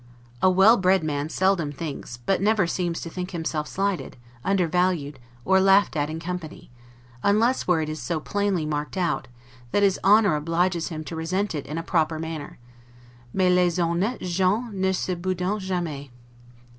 A well bred man seldom thinks, but never seems to think himself slighted, undervalued, or laughed at in company, unless where it is so plainly marked out, that his honor obliges him to resent it in a proper manner; 'mais les honnetes gens ne se boudent jamais'.